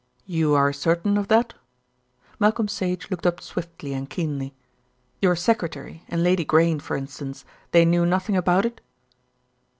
"You are certain of that?" Malcolm Sage looked up swiftly and keenly. "Your secretary and Lady Grayne, for instance, they knew nothing about it?"